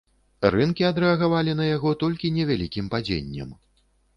Рынкі адрэагавалі на яго толькі невялікім падзеннем.